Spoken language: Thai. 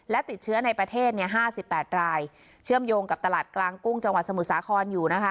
และติดเชื้อในประเทศ๕๘รายเชื่อมโยงกับตลาดกลางกุ้งจังหวัดสมุทรสาครอยู่นะคะ